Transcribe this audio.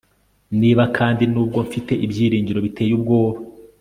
niba kandi, nubwo mfite ibyiringiro biteye ubwoba